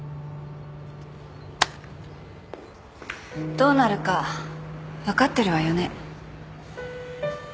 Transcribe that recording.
どうなるか分かってるわよね？